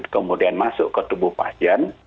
kemudian masuk ke tubuh pasien